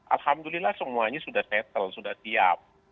dua ribu sembilan belas alhamdulillah semuanya sudah settle sudah siap